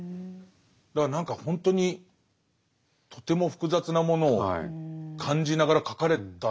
だから何かほんとにとても複雑なものを感じながら書かれたんでしょうね。